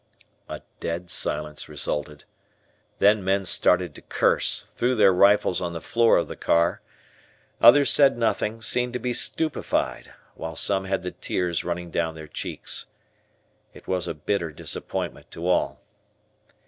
A dead silence resulted. Then men started to curse, threw their rifles on the floor of the car, others said nothing, seemed to be stupefied, while some had the tears running down their cheeks. It was a bitter disappointment to all.